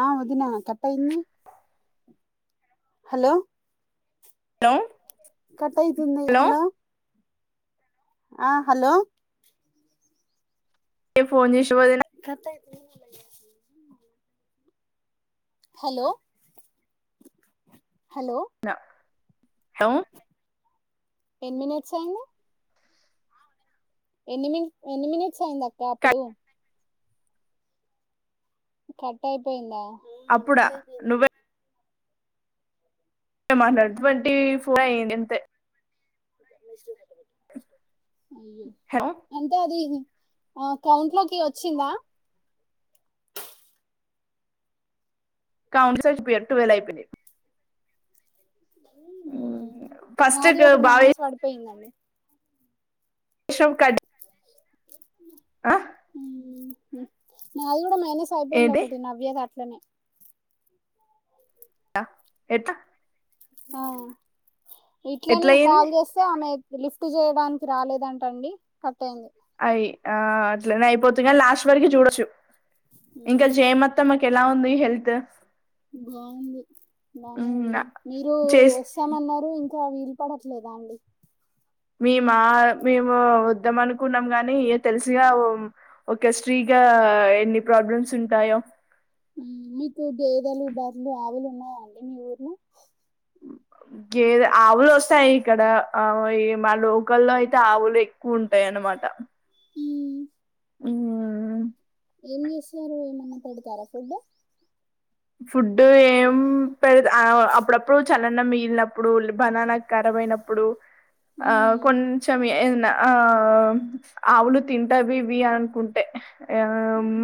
ఆ వదినా కట్టయింది. హలో లో కట్ అయితుంది హలో ఆ హలో ఏ ఫోన్ చేసేవ వ కట్ అయితుంది మల్ల చేస్తన హలో హలో హోం ఎన్ని మినిట్స్ అయింది. ఎన్ని మనిట్ ఎన్ని మినిట్స్ అయింది. అక్క అప్పుడు కట్ అయిపోయిందా. అప్పుడా నువ్వె మాట్లాడు ట్వంటీ ఫోర్ అయింది అంతే అయ్యో హలో అంటే అది కౌంట్ లో కి వచ్చిందా కౌంట్ సెర్చ్ పియర్ ట్వెల్ అయిపోయినీ ఫస్ట్ నాది ఒకటి బాగా మైనస్ పడిపోయిందండి. [unintelligible] ఆ నాది కూడా మైనస్ అయిపోయింది ఏంటి ఒకటి నవ్యది అట్లనే ఎట ఆ ఇట్లనే ఎట్లా అయింది కాల్ చేస్తే ఆమె లిఫ్ట్ చేయడానికి రాలేదంట అండి కట్ అయింది అయ ఆ అట్లనే అయిపోతు కానీ లాస్ట్ వరకు చూడొచ్చు ఇంకా అయింది జయమతమ్మకి ఎలా ఉంది హెల్త్ బావుంది బానే ఉంది మీరు చేస్ వస్తామన్నారు ఇం కా వీలు పడట్లేదా అండి మేమా మేము వద్దాం అనుకున్నాం గాని ఇగ తెలుసుగా ఒక శ్రీ గా గా ఎన్ని ప్రాబ్లమ్స్ ఉంటాయో ఉమ్ మీకు గేదలు బరులు ఆవులు ఉన్నాయండి మీ ఊర్లో గేద ఆవులు వస్తాయి ఇక్కడ మా లోకల్లో అయితే ఆవులు ఎక్కువ ఉంటాయన్నమాట మ్మ్. ఊ ఏం చేస్తారు ఏమన్నా పెడతారా ఫుడ్ ఫుడ్ ఏం పెడ అప్పుడప్పుడు చ్ చలనం మిగిలినప్పుడు బనానా ఖరాబ్ అయినప్పుడు ఆ మ్మ్. కొంచెం ఎం ఆ ఆవులు తింటవి ఇవి అనుకుంటే ఆ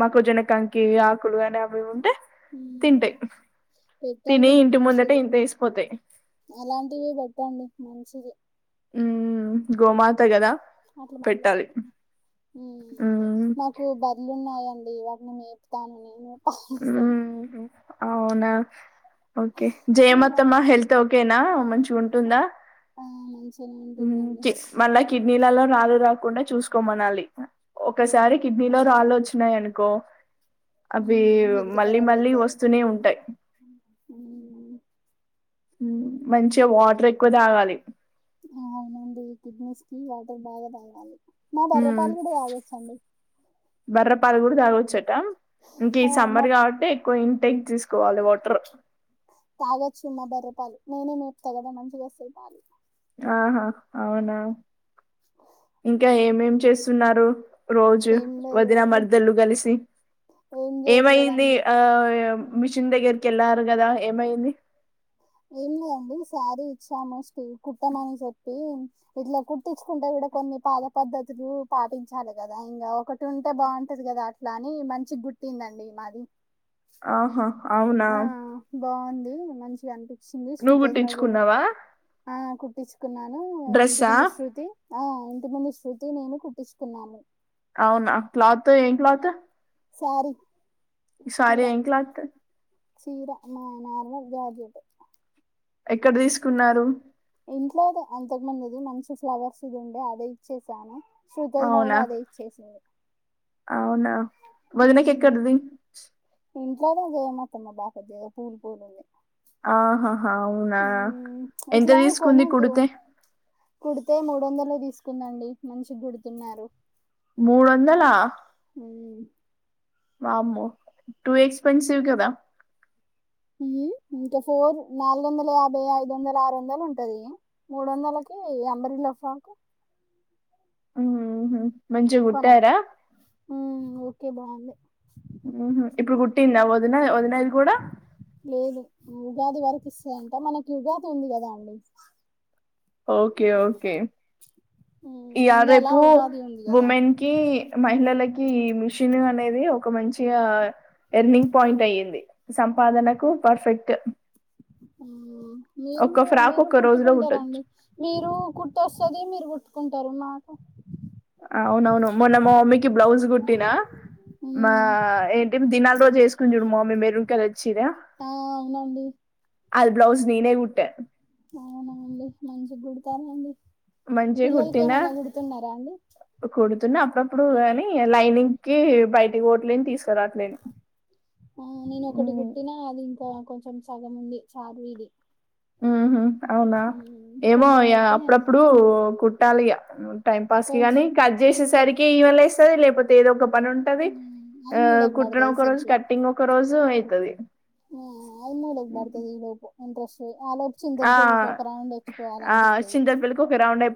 మాకు జోన కంకి ఆకులు అనే అవి ఉంటే మ్మ్. తింటాయి తిని పెట్టండి ఇంటి ముందట మనిషిది ఇంతేసిపోతాయి అలాంటివి పెట్టండి మంచిది ఉ గోమాత కదా అట్లా పెట్టాలి మాట్లాడడి ఉమ్ అదే మ్మ్ మాకు బరులున్నాయా డి వాటిని మేపుతాను నేను పాలిస్తాను ఉంహు అవునా ఓకే జయమత్తమా హెల్త్ ఓకేనా మంచిగా ఉంటుందా ఆ, మంచిగానే ఉమ్ ఉంటుందండి మళ్ళా కిడ్నీలలో రాలు రాకుండా చూసుకోమనాలి ఒకసారి కిడ్నీలో రాళ్ళు వచ్చినాయి అనుకో వేరు హెల్త్ మళ్ళీ ఖరాబ్ మళ్ళీ అవుతది వస్తూనే ఉంటాయి అవునండి మంచిగా వాట్ర్ ఎక్కువ తాగాలి ఆ అవునండి కిడ్నీస్ కి వాటర్ బాగా తాగాలి మా మ్మ్ బర్రపాల్ గూడా తాగచ్చండి. దా ఇంక ఇద్ మా సమ్మర్ గాబట్టి ఎక్కువ ఇంటేక్ చేసుకోవాలె వాట్ర్ తాగొచ్చు మా బర్రె పాలు, నేనే మేపుతా గాదా మంచిగోస్తయ్ పాలు. ఆహా అవునా ఇంకా ఏమేం చేస్తున్నారు? రోజు ఏం లేదు వదిన, ఇప్- మర్దలు కలిసి ఏం ఏమయింది. చేయట్లేదండి ఆ ఉమ్. మిషన్ దగ్గరికేళ్ళారు గదా ఏమైంది. ఏం లేదండి. శారీ ఇచ్చాము స్ట్ కుట్టమని చెప్పి. ఇట్లా కుటీంచుకుంటే గూడా కొన్ని పాద పద్ధతులు పాటించాలే గదా. ఇంగా ఒకటి ఉంటే బావుంట్ టాది గాదా అట్లా అని మంచి గుట్టిందండి. మాది ఆహా అవునా బావుంది. మంచిగా అనిపించింది నువ్వు శృతోదిన గూడా కుట్టించుకున్నావా ఆ కుట్టించ్ కున్నాను. ఇంటి డ్రెస్సా ముందు శ్రృతి ఆ ఇంటి ముందు శ్రృతి నేను కుట్టించుకున్నాము. అవునా ఆ క్లాత్ ఏం క్లాతూ సారీ ఈ సారే ఏం క్లాత్ చీర మా నర్మల్ జాకెట్టు ఎక్కడ తీసుకున్నారు? ఇంట్లోదే అంతక్ ముందుది. మంచి ఫ్లవర్స్ ది ఉండే అదే ఇచ్చేసాను. శృతోదిన అవునా గూడా అదే ఇచ్చేసింది. అవునా వదిన ఉమ్, కేక్కడ్ది ఇంట్లోనే చేయమత్తమ్మా బాపతి. పూలు పూలు ఉంది. ఆహాహా అవునా ఉమ్, ఎంత ఇట్లా తీసుకుంది కొనద్దు కుడితే. కుడితే మూడు వందలే తీసుకుందండి. మంచిగ్ గుడుతున్నారు. మూడొందల? ఉమ్ వామ్మో టూ ఎక్స్పెన్సివ్ కదా. హ్మ్. ఇంకా ఫోర్ నాలుగు వందల యాభై, ఐదు వందలు, ఆరు వందలు ఉంటది. ముడోందలకే అంబరు లఫాకు ఉహ్ మంచిగుట్టారా? కే బావుంది. ఉహ్ హు ఇప్పుడు కుట్టిందా. వదినధ్ వదినది గూడా? లేదు ఉగాది వరకు ఇస్తందంట. మనకి ఉగాది ఉంది గాదా అండి. ఓకే ఓకే హ్మ్. ఇయా ముందలా రేపు ఉగాది ఉంది గదా! వుమెన్కి మహిళలద్ కి ఈ మిషిన్ అనేది. ఒక మంచిగా ఎర్నింగ్ పాయింట్ అయ్యింది. సంపాదనకు పర్ఫెక్ట్ ఆహ్ మీరు ఒక్క ఫ్రాక్ మీరు ఒక్క రోజులో కుట్టొచ్చు కుట్టుకుంటారంండి. మీరు కుట్టోస్తది మీరు కుట్టుకుంట్ టాలుమాకు అవునవును మొన్న మా మమ్మీకి బ్లౌజ్ గుట్టినా. మా హ్మ్. ఏంటి దినాల్ రోజు ఏసుకున్ద్ మా మమ్మీ మేరున్ కలర్ చీర ఆ అవునండి. అది బ్లౌస్ నేనే గుట్టన్ అవున అండి మంచిగుడతారాండి. మంచిగ్ కుట్టిన. అండి? కుడుతున్న అప్పుడప్పుడు గానీ లైనింగ్. కి బయటిక్ ఓట్లేన్ తీసుక్ ఆ నేను ఒకటి గుట్టినా అది ఇంకా కొంచెం సగం ఉంది చార్మిది ఉహూ అవునా ఏమో కొంచెం ఇగ అయితే అప్పుడప్పుడు కుట్టాలి ఇగ టైం పాస్ కి కొంచ్ గానీ కట్ చేసేసరికి ఈమె లేస్తది లేకపోతే ఏదో ఒక పని ఉంటది ఆ అది మూలకు కుట్టడం పడుతది ఒక రోజు సెల్ఫ్ లా కట్టింగ్ ఒక రోజు అయితది ఆ ఆది మనకు బడుతది ఈలోపు ఇంట్రెస్ట్ ఆలోపు ఆ చింతలపెళ్లికి ఒక రౌండ్ వచ్చి పోవాలి అనిపితది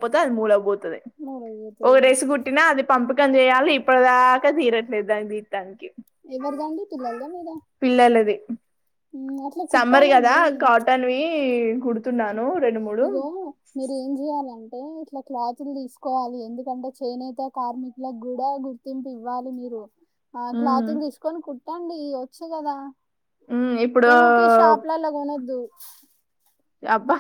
పోతే అది మూలకుపోతాది ఒక ఏమో రెస్ కుట్టినా అది పంపకం చేయాలి ఇప్పుడు దక్ ఇంకా తిరట్లేదు దాన్ని తిత్తానికి ఎవరుదండి పిల్లలుదా మీదా పిల్లలది ఉమ్, అట్లా సమ్మర్ కదా కుట్టాలండి కాటన్ వి కుడుతున్నా ఇగో మీరు ఏం చెయ్యాల అంటే ఇట్లా క్లాత్లు తీసుకోవాలి ఎందుకంటే చేనేత కార్మికులకు కూడా గుర్తింపు ఇవ్వాలి మీరు ఆ ఉమ్ క్లాతులు తీసుకొని కుట్టండి వచ్చు కదా ఉమ్ ఇప్పుడు ఊకే షాపుల్లా కొనద్దు అబ్బా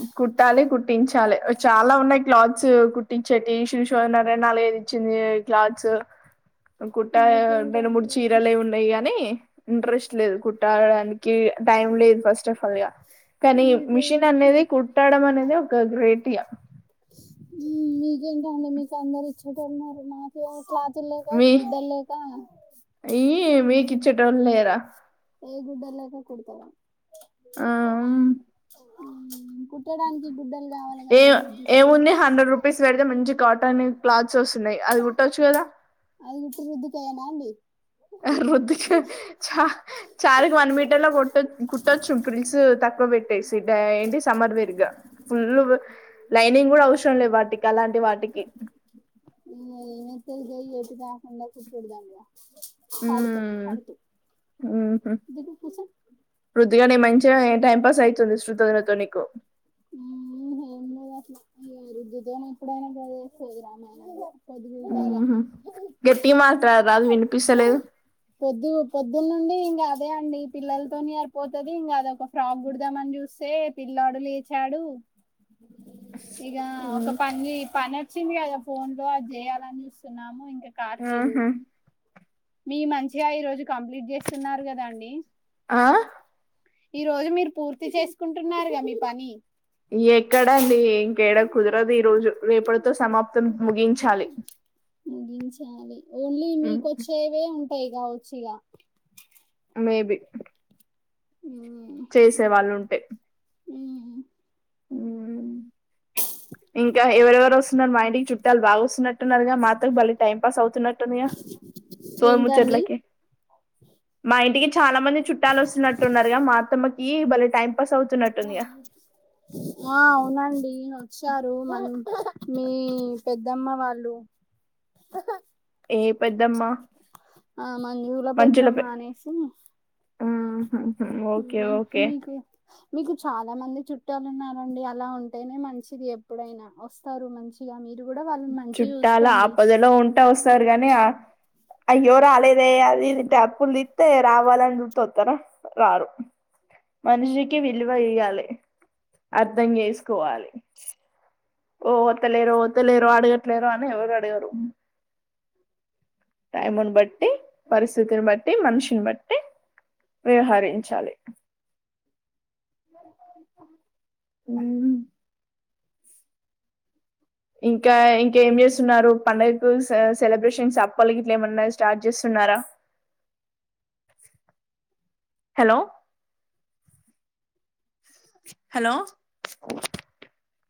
ఉ కుట్టాలి కుట్టించలే చాలా ఉన్నాయి క్లాత్స్ కుట్టిచేటి షూ ఓనర్ ఏ నాలుగు ఐదు ఇచ్చింది క్లాత్స్ కుట్ట ఏ రెండు మూడు మీకేంటండి చీరలే ఉన్నాయి కానీ ఇంట్రెస్ట్ లేదు కుట్టడానికి టైం లేదు ఫస్ట్ ఆఫ్ ఆల్ గా కానీ మీకేం మిషన్ అనేది మీకు కుట్టాడం అనేది ఒక గ్రేట్య ఉ మీకేంటండి మీకు అందరు ఇచ్చట్లోలు ఉన్నారు మాకు అసలు అత్ మీ ఈ మీకు ఇచ్చటోళ్లు లేరా ఏ గుడ్డలులెక కుడుతవ ఆ ఆహ్ కుట్టడానికి గుడ్డలు కావాలి ఏ కదండి దుస్తులు ఏముంది హండ్రెడ్ రూపీస్ పెడితే మంచి కాట్ టని క్లాత్స్ వస్తున్నాయి అవి కుట్టచ్చు కదా అది ఉత్తి రుద్దుతేన అండి హా రుద్దికి చా చారిట్ వన్ మీటర్ లో కుట్ట కుట్టొచ్చు పిల్స్ తక్క్ క్కువ పెట్టేసి ఏంటి సమ్మర్ వేర్ గా ఫుల్ లైనింగ్ కూడా అవసరం లే వాటికి అలాంటి వాటికి ఉ ఏం అయితయ్యి గావి ఎటు కాకుండా కుట్టుడు దండుగ ఆడుకో మ్మ్ ఆడుతూ మ్మ్హ్ ఇటువైపు కూర్చో చాలే టైం పాస్ అయితుంది శృతజ్ఞతో నీకు ఉహ్ ఏదో అట్లా ఈ రుద్దుతోని ఎప్పుడూ అయినా గదే సోది రామాయణం పొద్దుగుకాల ఉహు గట్టిగా మా పొద్దు పొద్దునుండి ఇంగ అదే అండి పిల్లలతోని సరిపోతాది ఇంగ అదొక ఫ్రాక్ కుడదామని చూస్తే పిల్లాడు లేచాడు ఇగ ఒక మ్మ్ పంచేయ్ పనే వచ్చింది కదా ఫోన్ లో అది చేయాలని ఇస్తున్నాము ఇంకా కావట్లేదు ఆహా మీ మంచిగా ఈ రోజు కంప్లీట్ చేస్తున్నారు కదాండి ఆ ఈ రోజు మీరు పూర్తి చేసుకుంటున్నారుగా మీ పని ఎక్కడ అండి ఇంకేడా కుదరదు ఈ రోజు రేపటితో సమాప్తం ముగించాలి ముగించాలి ఓన్లీ మ్మ్ మీకు వచ్చేవే ఉంటాయి కావచ్చు ఇగ మేబి మ్మ్ చేసే వాళ్ళు ఉంటే మ్మ్ ఉ మరి మా ఇంటికి చుట్టాలు బాగా వస్తున్నట్టున్నారుగా మాతో బలే టైం పాస్ అవుత్ నట్టుంది గా సోది ఏంటండి ముచ్చట్లకి మా ఇంటికి చాలా మంది చుట్టాలు వస్తున్నట్లున్నారుగా మా అత్తమ్మకి బలే టైం పాస్ అవుతున్నట్టుందిగా ఆ అవునండి వచ్చారు మన మీ పెద్దమ్మ వాళ్ళు ఏ పెద్దమ్మ ఆ మంజుల పెద్దమ్మా అనేసి ఆహా హు మీకు మీకు చాలా మంది చుట్ ట్టలున్నారండి అలా ఉంటేనే మంచిది ఎప్పుడైనా వస్తారు మంచిగా మీ చుట్టాల ఆపదలో ఉంటే వస్తారు గాని ఆ అయ్యో రాాలేదే అది తప్పులు తీతే రావాల సుత వత్తర రారు మనిషికి విలువ ఇయ్యాలి అర్థం చేసుకోవాలి ఓ ఓతలేరో ఓతలేరో అడగట్లేరు అని ఎవరు అడగరు టైమ్న్ బట్టి పరిస్థితిని బట్టి మనుషిన్ బట్టి వ్యవహరించాలి హుమ్ ఇంకా ఇంకా ఏం చేస్తున్నారు పండుగకు సెలబ్రేషన్స్ అప్పాల్ గిట్లా ఏమన్నా స్టార్ట్ చేస్ న్నారా హలో హలో